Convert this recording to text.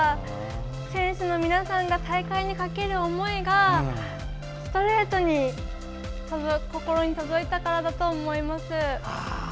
選手の皆さんの大会にかける思いがストレートに心に届いたからだと思います。